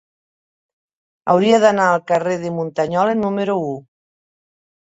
Hauria d'anar al carrer de Muntanyola número u.